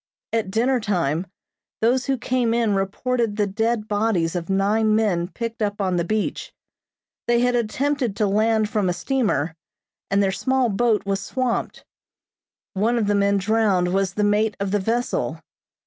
At dinner time those who came in reported the dead bodies of nine men picked up on the beach. They had attempted to land from a steamer, and their small boat was swamped. One of the men drowned was the mate of the vessel.